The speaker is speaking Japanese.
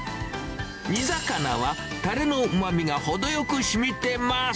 煮魚は、タレのうまみが程よくしみてます。